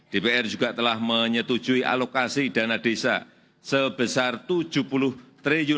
dpr juga telah menyetujui alokasi dana dana dana yang diperlukan oleh pemerintah